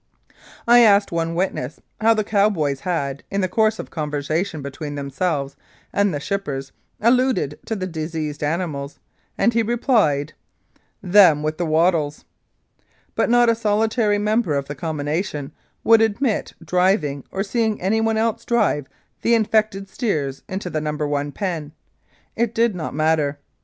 I asked one witness how the cowboys had, in the course of conversation between themselves and the shippers, alluded to the diseased animals, and he replied, "Them with the wattles"; but not a solitary member of the combination would admit driving or seeing anyone else drive the infected steers into the No. i pen. It did not matter.